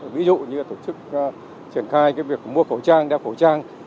ví dụ như tổ chức triển khai việc mua khẩu trang đeo khẩu trang